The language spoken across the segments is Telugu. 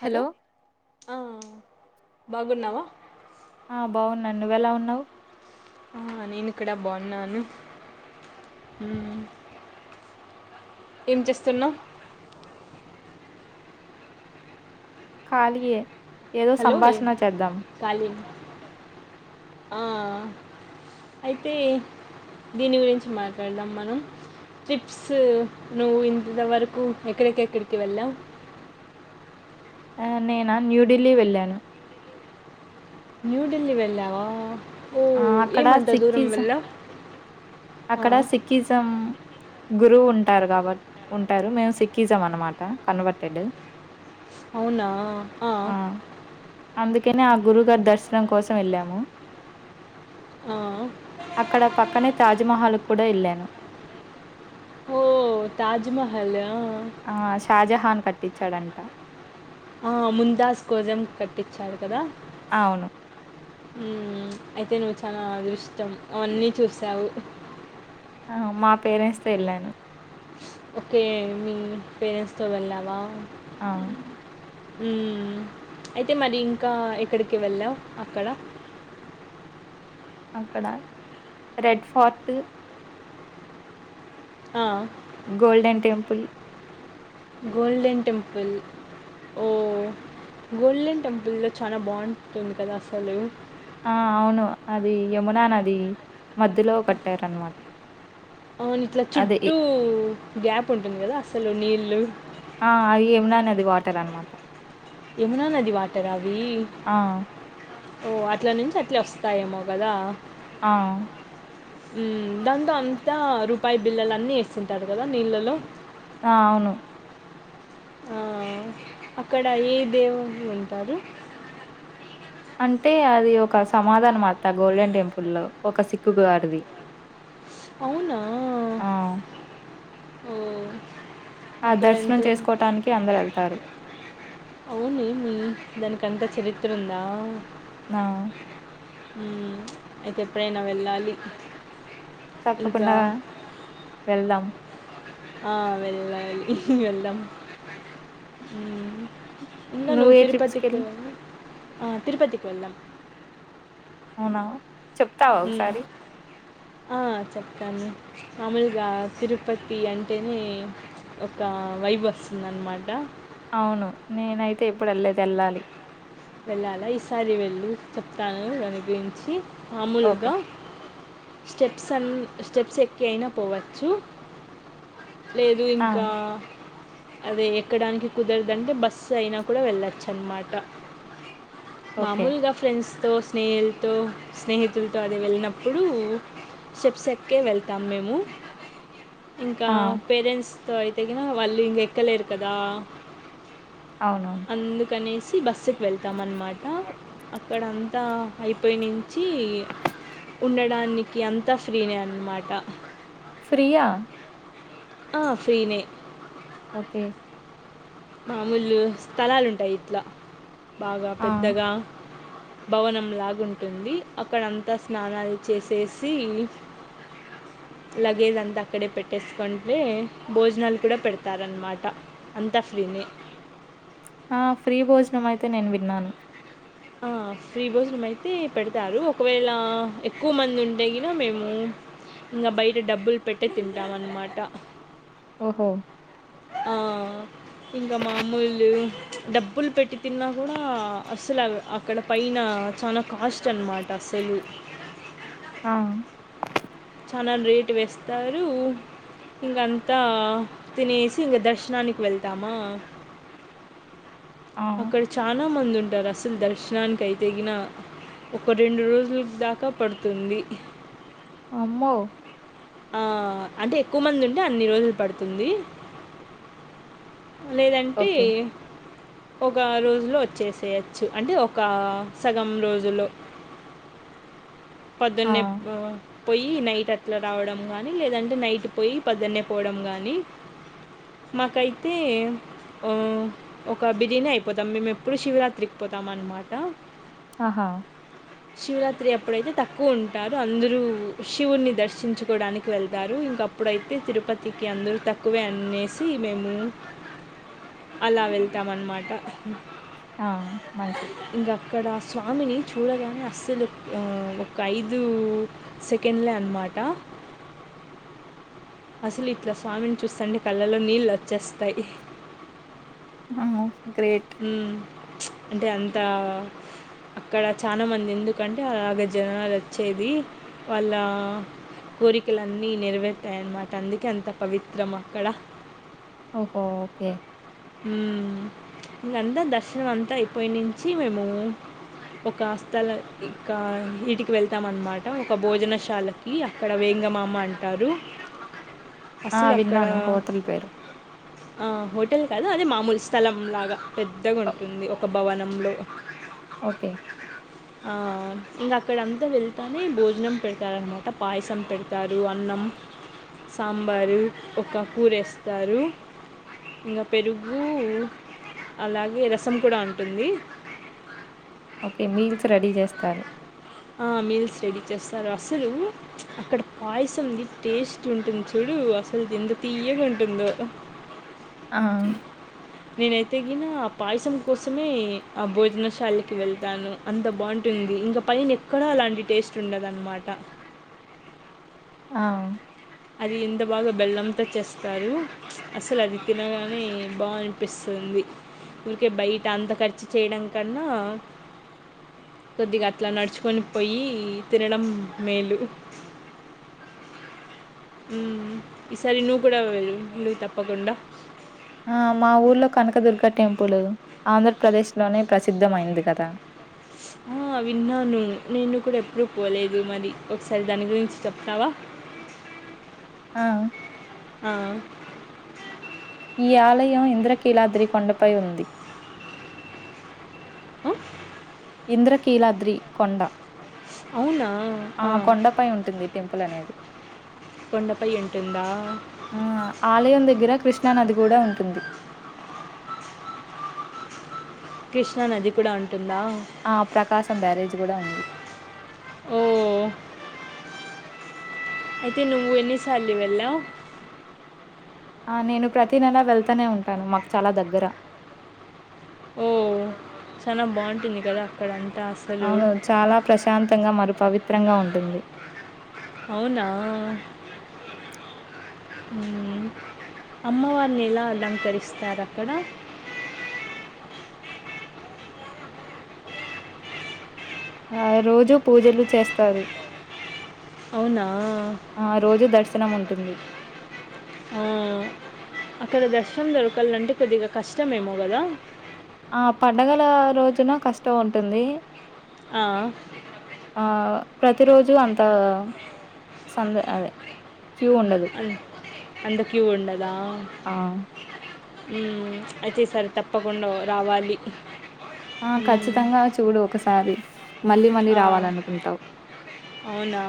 హలో ఆ అ బాగున్నావా ఆ బాగున్నాను నువ్వు ఎలా ఉన్నావు నేను ఇక్కడ బాగున్నాను ఉం ఏం చేస్తున్నావు కాలి ఏ హలో ఏ కాలి ఆ అయితే దీని గురించి మాట్లాడదాం మనం ట్రిప్స్ నువ్వు ఇంతవరకు ఎక్కడికెక్కడికి వెళ్ళావు నేనా న్యూఢిల్లీ వెళ్ళాను న్యూ ఢిల్లీ వెళ్ళావా ఓ ఆ అక్కడ ఏమంతా దూరం సిక్కిజం వెళ్ళవ్ అక్కడ సిక్కిజం గురువు ఉంటారు కబ ఉంటారు మేము సికిీజాం అన్నమాట కన్వర్టెడ్. అవునా ఆ అందుకనే ఆ గురువుగారి దర్శనం కోసం వెళ్ళాము. ఆ అక్కడ పక్కనే తాజ్మహాలు కూడా వెళ్ళాము ఓ తాజ్మహల్ ఆ ఆ షాజహాన్ కట్టించాడంట ఆ ముందాస్ కోజం కట్టించాడు కదా అవును అయితే నువ్వు చాలా అదృష్టం అవన్నీ చూసావు ఆ మా పేరెంట్స్ తో వెళ్ళాను ఓకే మీ పేరెంట్స్తో వెళ్ళావా ఆ ఉమ్మ్ అయితే మరి ఇంకా ఎక్కడికి వెళ్ళావు అక్కడ అక్కడ రెడ్ ఫర్ట్ ఆ గోల్డెన్ టెంపుల్ గోల్డెన్ టెంపుల్ ఓ గోల్డెన్ టెంపుల్లో చాలా బాగుంటుంది కదా అసలు. ఆ అవును అది యమునానది మధ్యలో కట్టారన్నమాట అవును ఇట్లా చుట్టూ గ్యాప్ ఉంటుంది కదా ఆసలు నీల్ ఆ అది ఏమనా అని అది వాటర్ అనమాట. యమునా నది వాటర అవి ఆ! ఓ అట్ల నుంచి అట్లే వస్తాయేమో కదా. ఆ దాంతో అంతా రూపాయి బిల్లల అన్నీ వేస్తుంటారు కదా నీళ్ళలో. ఆ అవును ఆ అక్కడ ఏ దేవులు ఉంటారు అంటే అది ఒక సమాదానమాట గోల్డెన్ టెంపుల్ లో ఒక సిక్కు గార్డ్ ది అవునా ఓ ఆ దర్శనం చేసుకోటానికి అందరు ఎళ్తారు. అవునేమి దానికంత చరిత్ర ఉందా? న మ్ అయితే ఎప్పుడైనా వెళ్ళాలి ఇంకా తప్పకుండా వెళ్దాం ఆ వెళ్ళాలి వెళ్దాం మ్ ఇంగా నువ్వు నువ్వే తిరుపతికి ట్రిప్స్‌కెళ్ళావు? ఆ తిరుపతికి వెళ్ళాం అవున చెప్తావ ఒకసారి ఆ చెప్తాను మామూలుగా తిరుపతి అంటేనే ఒక వైబ్ వస్తుందన్న మాట అవును నేనైతే ఎప్పుడు ఎళ్లలేదు ఎళ్లాలి. వెళ్ళాలా ఈసారి వెళ్ళు చెప్తాను దాని గురించి ఓకే. మామూలుగా స్టెప్స్ అన్ స్టెప్స్ ఎక్కి అయినా పోవచ్చు. లేదు ఆ! ఇంకా అదే ఎక్కడానికి కుదరదంటే బస్సు అయినా కూడా వెళ్ళొచ్చన్నమాట ఓకే. మామూల్గా ఫ్రెండ్స్ తో స్నేల్తో స్నేహితులతో అది వెళ్ళినప్పుడు స్టెప్స్ ఎక్కే వెళ్తాం మేము. ఇంకా ఆ! పేరెంట్స్ తో అయితేగినా వాళ్ళు ఇంక ఎక్కలేరు కదా అవునవును. అందుకనే సి బస్ ఎక్ వెళ్తాం అన్ మాట అక్కడ అంతా అయిపోయి నుంచి ఉండడానికి అంతా ఫ్రీనే అన్నమాట. ఫ్రియా! ఆ ఫ్రీనే. ఓకే మామూలు స్థలాలుంటాయి ఇట్లా బాగా ఆ! పెద్దగా భవనం లాగా ఉంటుంది. అక్కడ అంత స్నానాలు చేసేసి లగేజ్ అంతా అక్కడే పెట్టేసుకుంటే భోజనాలు కూడా పెడతారన్నమాట అంత వినే ఆ ఫ్రీ భోజనం అయితే నేను విన్నాను. ఆ ఫ్రీ భోజనం అయితే పెడ్తారు. ఒకవేళ ఎక్కువ మంది ఉంటే గిన మేము ఇంకా బయట డబ్బులు పెట్టే తింటాం అన్నమాట. ఓహో ఆ ఇంకా మామూలు బ్బులు పెట్టి తిన్నా గుడా అస్సలు అవి అక్కడ పైన చాలా కాస్ట్ అన్నమాట అస్సలు ఆ చాలా రేటు వేస్తారు. ఇంకంతా తినేసి ఇంక దర్శనానికి వెళ్తామా ఆ! అక్కడ చాలా మంది ఉంటారు. అసలు దర్శనానికైతే గిన ఒక రెండు రోజుల్ దాకా పడుతుంది. అమ్మో ఆ అంటే ఎక్కువ మంది ఉంటే అన్ని రోజులు పడుతుంది. లేదంటే ఓకే. ఒక రో లో వచ్చేసేయచ్చు అంటే ఒక సగం రోజులో ఆ! పొద్దునే పోయి నైట్ అట్లా రావడం కానీ లేదంటే, నైట్ పోయి పోద్దన్నే పోవడం కానీ, మాకైతే ఒక బిజినెఅయిపోతాం. మేము ఎప్పుడు శివరాత్రికి పోతాం అనమాట. ఆహా శివరాత్రి అప్పుడైతే తక్కువ ఉంటారూ అందరూ శివున్ని దర్శించుకోవడానికి వెళ్తారు. ఇంకప్పుడైతే తిరుపతికి అందరూ తక్కువే అనేసి మేము అలా వెళ్తాం అన్నమాట. ఆ మంచిది అక్కడ స్వామిని చూడగానే అస్సలు ఆ ఒక ఐదు సెకండ్లే అనమాట. అసలు ఇట్లా స్వామిని చూస్తండి కళ్ళలో నీళ్ళు వచ్చేస్తాయి. ఆ ఉమ్ అంటే అంత అక్కడ చాలా మంది ఎందుకంటే, అలాగ జనాలు వచ్చేది. వాళ్ళ కోరికలు అన్నీ నెరవేతాయన్నమాట. అందుకే అంత పవిత్రం. అక్కడ ఓహో ఓకే ఉమ్ ఇంకంతా దర్శనం అంతా అయిపోయి నుంచి మేము ఒక స్థల ఇకా ఇంటికి వెళ్తాం అన్నమాట. ఒక భోజనశాలకి అక్కడ వెంగమాంబ అంటారు. ఆ! అసలు అక్కడ విన్నాను హోటల్ పేరు. ఆ వడ్ కదా అదే మామూలు స్థలం లాగా పెద్దగా ఓ ఉంటుంది. ఒక భవనంలో ఓకే ఆ ఇంకా అక్కడంతా వెళ్తనే భోజనం పెడతారనమాట. పాయసం పెడతారు. అన్నం సాంబారు ఒక కూర ఎస్తరు. పెరుగు అలాగే రసం కూడా ఉంటుంది. ఓకే మీల్స్ రెడీ చేస్తారు. ఆ మీల్స్ రెడీ చేస్తారు. అసలు అక్కడ పాయసం ఉంది టేస్ట్ ఉంటుంది. చూడు అసలుది ఎంత తీయగా ఉంటుందో! ఆ నేనైతేగిన పాయసం కోసమే ఆ భోజనశాలకి వెళ్తాను అంత బాగుంటుంది. ఇంకా పైన ఎక్కడా అలాంటి టేస్ట్ ఉండదన్నమాట. ఆ అది ఎంత బాగా బెల్లంతో చేస్తారు. అసలు అది తినగానే బాగనిపిస్తుంది. ఊరికే బయట అంత ఖర్చు చేయడం కన్నా, కొద్దిగా అట్లా నడుచుకొని పోయి తినడం మేలు. ఉమ్ ఈసారి నువ్వు కూడా వెళ్ళు నువ్వు తప్పకుండా ఆ మా ఊర్లో కనకదుర్గ టెంపుల్ ఆంధ్రప్రదేశ్లోనే ప్రసిద్ధమయింది కదా. విన్నాను. నేను కూడా ఎప్పుడు పోలేదు మరి ఒకసారి దాని గురించి చెప్తావా. అ ఆ ఈ ఆలయం ఇంద్రకీలాద్రి కొండపై ఉంది ఆ ఇంద్రకీలాద్రి కొండ అవునా ఆ కొండపై ఉంటుంది టెంపుల్ అనేది కొండపై ఉంటుందా ఆ ఆలయం దగ్గర కృష్ణ నది కూడా ఉంటుంది కృష్ణా నది కూడా ఉం ఆ ప్రకాశం బ్యారేజీ కూడా ఉంది. ఓ అయితే నువ్వు ఎన్నిసార్లు వెల్లవ్. నేను ప్రతి నెలా వెళ్తానే ఉంటాను మాకు చాలా దగ్గర ఓ చాలా బాగుంటుంది కదా అక్కడం అవును చాలా ప్రశాంతంగా మరి పవి చిత్రంగా, ఉంటుంది. అవునా, ఊ అమ్మవారిని ఎలా, అలంకరిస్తారు, అక్కడ. ఆ, రోజు, పూజలు, చేస్తారు. అవునా ఆ, రోజు, దర్శనం, ఉంన్. ఉటుంది. అ, అక్కడ, దర్శనం, దొరకాలంటే, కొద్దిగ, కష్టమేమో, గదా. ఆ, పండగల, రోజున, కష్టం, ఉంటుంది. ఆ. ఆహ్, ప్రతిరోజు అంత, సంద అదే. క్యూ ఉండదు. ఉమ్, అంత క్యూ, ఉండదా. ఆ! ఉమ్ అయితే ఈసారి తప్పకుండా, రావాలి. ఆ ఖ, మ్మ్. చ్చితంగా, చూడు, ఒకసారి. మళ్ళీ మళ్ళీ ఆ, రావాలనుకుంటావు. అవునా.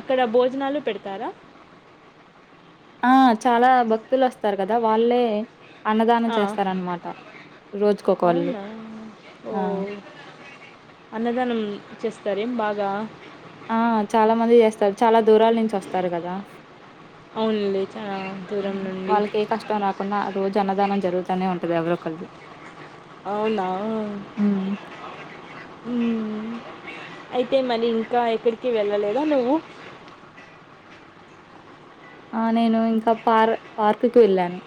అక్కడ, భోజనాలు, పెడతారా. ఆ, చాలా, భక్తులు వొస్తారు, కదా వాళ్ళే. అన్నదానం ఆ, చేస్తారనమాట. రోజుకొకళ్ళు అవునా, ఓ, ఆ అన్నదానం, చేస్త. సరే, బాగా. ఆ, చాలా మంది జెస్తారు, చాలా దూరాల నుంచి వొస్తారు, కదా. అవునులే, చాలా, దూరం, అవును. నుండి. వాళ్ళకి ఏ కష్టం రాకుండా రోజు, అన్నదానం, జరుగుతనే, ఉంటది, ఎవరో, ఒక్కరు. అవునా, హుమ్. అయితే, మరి, ఇంకా, ఎక్కడికి, వెళ్ళలేదా, నువ్వు. ఆ, నేను, ఇంకా, పార్, పార్క్కి, వెళ్ళాను.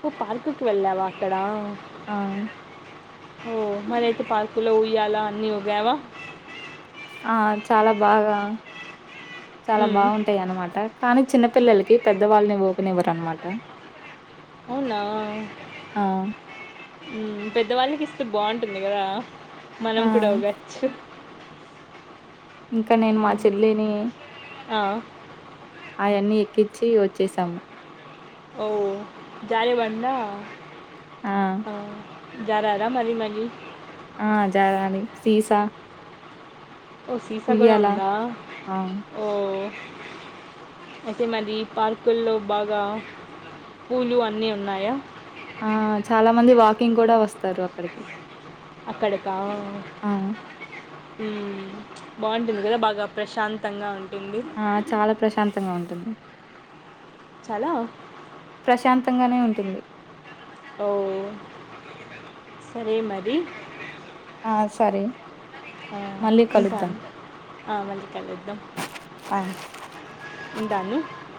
నువ్వు, పార్కుకి, వెళ్ళావా, అక్కడ. ఆ. ఓ, మరి అయితే పార్కులో, ఉయ్యాల అన్ని, ఊగావా. ఆ, చాలా బాగా. చాలా మ్మ్. బాగుంటాయి అన్నమాట, కానీ చిన్న. పిల్లలకి, పెద్దవాళ్ళని, ఊగనివ్వరన్నమాట. అవునా, ఆ ఉ పెద్ద వాళ్లకి. బాగుంటుంది, కద. మనం ఆ కూడా, ఊగచ్చు. ఇంకా నేను మా మ్మ్. చెల్లిన్నీ. ఆ. ఆయన్నీ ఎక్కించి. వచ్చి, వచ్చేసాము. ఓ, జారి పడిందా. ఆ. జరరా మరి మని. ఆ జారణి, సీసా ఓ సీసా కూడా ఉయ్యాల ఉందా ఆ ఓ అయితే మరి పార్కుల్లో బాగా పూలు అన్ని ఉన్నాయా ఆ చాలా మంది వాకింగ్ కూడా వస్తారు. అక్కడికి అక్కడకా అవును హ్మ్ బాగుంటుంది కదా బాగా ప్రశాంతంగా ఉంటుంది. ఆ చాలా ప్రశాంతంగా ఉంటుంది. చాలా ప్రశాంతంగానే ఉంటుంది. ఓ సరే మరి ఆ సరే మళ్ళీ కలుద్దాం ఉంటాను. మళ్ళ కలుద్దాం ఆ ఉంటాను.